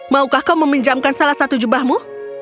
maukah kau meminjamkan salah satu jubahmu